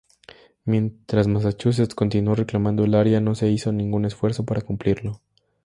Mientras Massachusetts continuó reclamando el área, no se hizo ningún esfuerzo para cumplirlo.